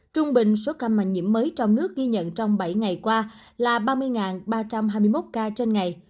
trung bình số ca nhiễm mới trong nước ghi nhận trong bảy ngày qua là ba mươi ba trăm hai mươi một ca trên ngày